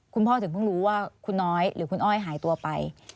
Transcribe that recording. คุณพ่อถึงเพิ่งรู้ว่าคุณน้อยหรือคุณอ้อยหายตัวไป